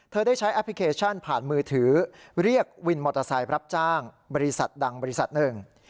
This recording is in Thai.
ได้ใช้แอปพลิเคชันผ่านมือถือเรียกวินมอเตอร์ไซค์รับจ้างบริษัทดังบริษัทหนึ่ง